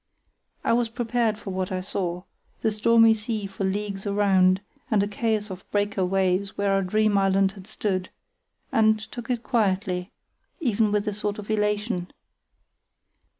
I was prepared for what I saw—the stormy sea for leagues around, and a chaos of breakers where our dream island had stood—and took it quietly, even with a sort of elation.